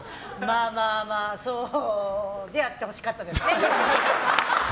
まあまあそうであってほしかったですね。